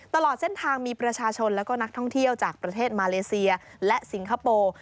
ตลอดเส้นทางมีประชาชนและก็นักท่องเที่ยวจากประเทศมาเลเซียและสิงคโปร์